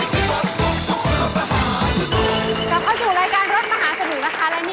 ขอเสียบางมือ๒เพื่อนด้วยครับ